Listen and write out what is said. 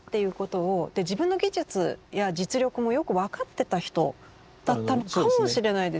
で自分の技術や実力もよく分かってた人だったのかもしれないですよね。